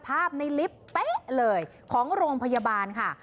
ภาพในลิฟต์เป๊ะเลยของโรงพยาบาลค่ะ